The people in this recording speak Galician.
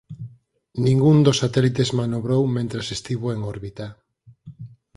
Ningún dos satélites manobrou mentres estivo en órbita.